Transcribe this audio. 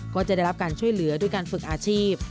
ก็จะได้รับการช่วยเหลือด้วยการฝึกอาชีพ